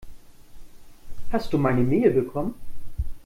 Hast du meine Mail bekommen?